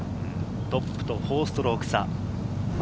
トップと４ストローク差。